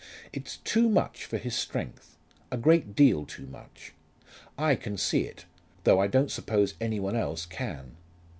It's too much for his strength; a great deal too much. I can see it, though I don't suppose any one else can.